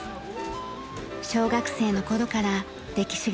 小学生の頃から歴史が好きでした。